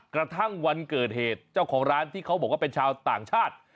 กระทั่งวันเกิดเหตุเจ้าของร้านที่เขาบอกว่าเป็นชาวต่างชาติ